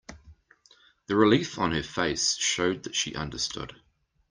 The relief on her face showed that she understood.